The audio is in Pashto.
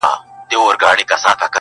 هسي پر دښت د ژمي شپه وه ښه دى تېره سوله-